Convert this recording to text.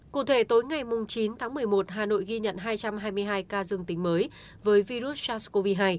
cụ thể tối ngày chín tháng một mươi một hà nội ghi nhận hai trăm hai mươi hai ca dương tính mới với virus sars cov hai